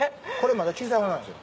まだ小さい方なんですよ。